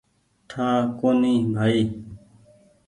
ٺآ ڪونيٚ ڀآئي